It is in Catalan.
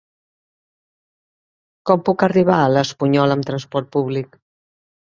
Com puc arribar a l'Espunyola amb trasport públic?